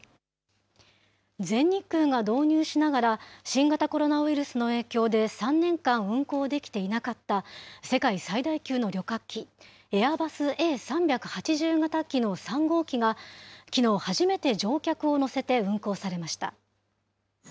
全日空が導入しながら、新型コロナウイルスの影響で３年間運航できていなかった世界最大級の旅客機、エアバスＡ３８０型機の３号機が、きのう初めて乗客を乗せて運航されました。